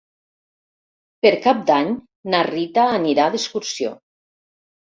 Per Cap d'Any na Rita anirà d'excursió.